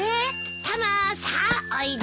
タマさあおいで。